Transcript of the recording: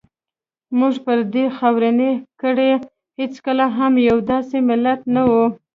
موږ پر دې خاورینې کرې هېڅکله هم یو داسې ملت نه وو.